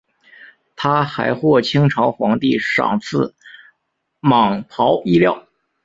他还获清朝皇帝赏赐蟒袍衣料。